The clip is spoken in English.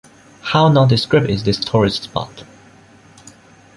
How non-descript is this tourist spot?